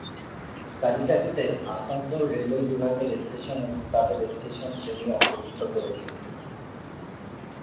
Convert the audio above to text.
তালিকাটিতে Asansol railway বিভাগের station এবং তাদের স্টেশন শ্রেণী অন্তর্ভুক্ত করেছে।